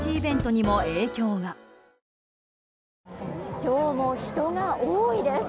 今日も人が多いです。